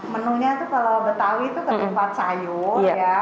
menunya tuh kalau betawi tuh terdapat sayur ya